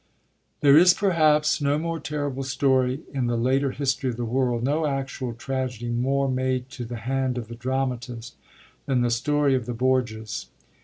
There is, perhaps, no more terrible story in the later history of the world, no actual tragedy more made to the hand of the dramatist, than the story of the Borgias.